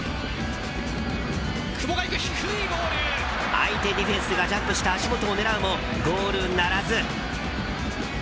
相手ディフェンスがジャンプした足元を狙うもゴールならず。